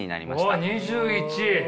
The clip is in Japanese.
おおっ２１。